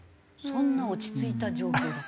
そんな落ち着いた状況だった？